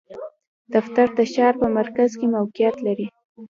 دفتر د ښار په مرکز کې موقعیت لری